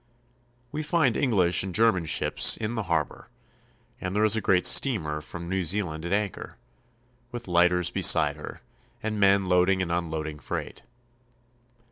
We find English and German ships in the harbor, and there is a great steamer from New Zealand at anchor, with lighters beside her, and men loading and unloading freight.